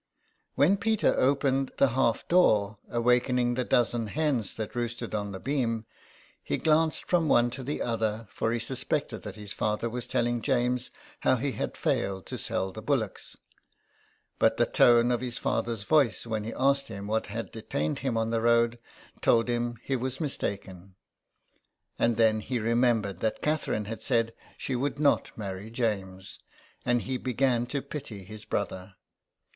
When Peter opened the half door, awaking the dozen hens that roosted on the beam, he glanced from one to the other, for he suspected that his father was telling James how he had failed to sell the bullocks. But the tone of his father's voice when he asked him what had detained him on the road told him he was mistaken ; and then he remembered that Catherine had said she would not marry James, and he began to pity his brother.